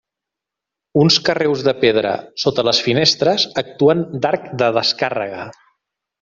Uns carreus de pedra sota les finestres actuen d'arc de descàrrega.